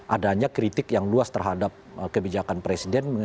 adanya kritik yang luas terhadap kebijakan presiden